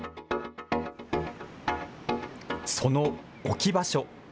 その置き場所。